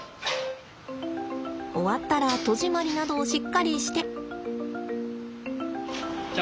終わったら戸締まりなどをしっかりして。